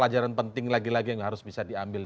pelajaran penting lagi lagi yang harus bisa diambil